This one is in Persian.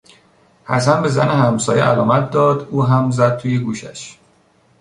حسن به زن همسایه علامت داد او هم زد توی گوشش